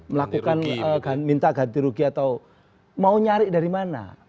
melakukan minta ganti rugi atau mau nyari dari mana